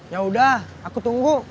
yaudah aku tunggu